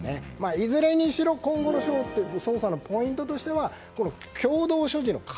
いずれにしろ今後の捜査のポイントとしてはこの共同所持の壁